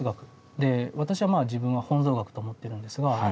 で私はまあ自分は本草学と思ってるんですが。